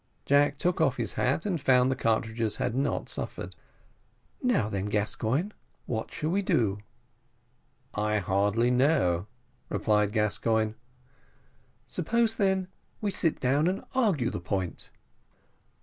Jack took off his hat, and found the cartridges had not suffered. "Now then, Gascoigne, what shall we do?" "I hardly know," replied Gascoigne. "Suppose, then, we sit down and argue the point."